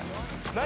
何？